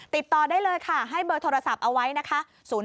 ติดต่อได้เลยค่ะให้เบอร์โทรศัพท์เอาไว้นะคะ